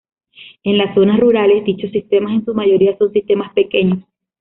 En las zonas rurales, dichos sistemas, en su mayoría, son sistemas pequeños.